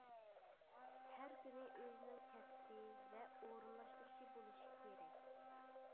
ھەر كۈنى ئۆزىنىڭ كەسپى ۋە ئورۇنلاشتۇرۇشى بولۇشى كېرەك.